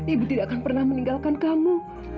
ibu tidak akan pernah meninggalkan kamu